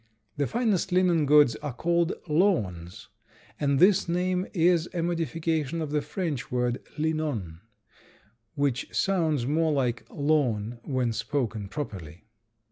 The finest linen goods are called lawns, and this name is a modification of the French word linon, which sounds much like lawn when spoken properly.